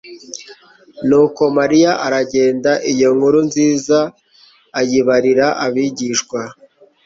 Nuko Mariya aragenda iyo nkuru nziza ayibarira abigishwa.